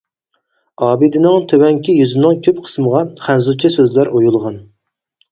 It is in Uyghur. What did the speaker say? ئابىدىنىڭ تۆۋەنكى يۈزىنىڭ كۆپ قىسمىغا خەنزۇچە سۆزلەر ئويۇلغان.